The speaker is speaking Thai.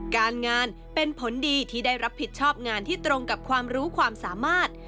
การงานเป็นผลดีที่ได้รับผิดชอบงานที่ตรงกับความรู้ความสามารถ